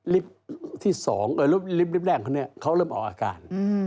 ลิฟที่๒ลิฟที่แรกของเขาเริ่มออกอาการ